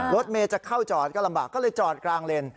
รถเมย์จะเข้าจอดก็ลำบากก็เลยจอดกลางเลน